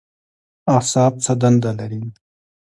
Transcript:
اعصاب څه دنده لري؟